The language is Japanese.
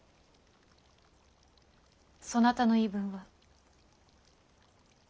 そなたの言い分は？